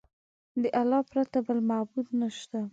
د الله پرته بل معبود نشته.